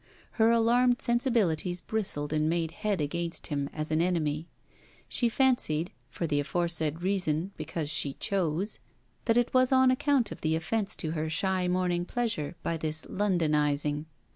Her alarmed sensibilities bristled and made head against him as an enemy. She fancied (for the aforesaid reason because she chose) that it was on account of the offence to her shy morning pleasure by his Londonizing.